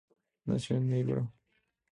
Nació en Éibar.